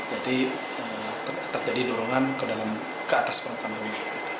jadi terjadi dorongan ke atas permukaan bumi